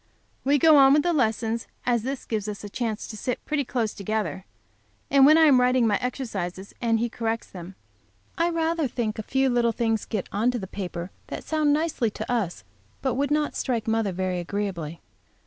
We go on with the lessons, as this gives us a chance to sit pretty close together, and when I am writing my exercises and he corrects them, I rather think a few little things get on to the paper that sound nicely to us, but would not strike mother very agreeably.